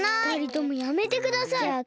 ふたりともやめてください。